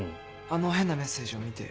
あの変なメッセージを見て。